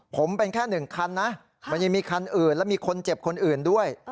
ผมเป็นแค่๑คันนะมันยังมีคันอื่นและมีคนเจ็บคนอื่นด้วย